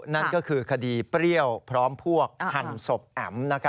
นั่นก็คือคดีเปรี้ยวพร้อมพวกหั่นศพแอ๋ม